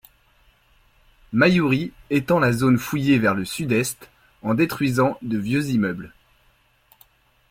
Maiuri étend la zone fouillée vers le sud-est en détruisant de vieux immeubles.